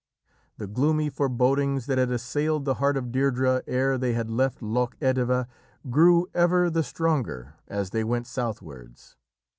The gloomy forebodings that had assailed the heart of Deirdrê ere they had left Loch Etive grew ever the stronger as they went southwards.